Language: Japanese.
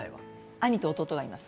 兄と弟がいます